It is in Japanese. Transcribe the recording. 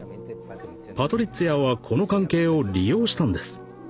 パトリッツィアはこの関係を利用したんです。